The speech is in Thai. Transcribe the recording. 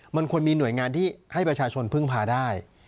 มันควรมีหน่วยงานที่ให้ประชาชนพึ่งพาได้